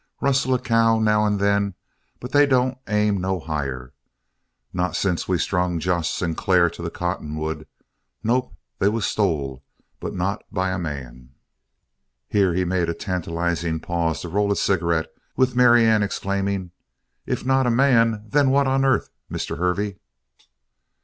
"Rustle a cow, now and then, but they don't aim no higher not since we strung Josh Sinclair to the cottonwood. Nope, they was stole, but not by a man." Here he made a tantalizing pause to roll a cigarette with Marianne exclaiming: "If not a man, then what on earth, Mr. Hervey?"